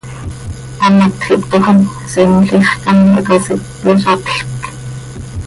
Hamatj ihptooxi, siml ix quih anxö ihtasi, hpyazaplc.